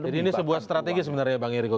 jadi ini sebuah strategi sebenarnya bang eriko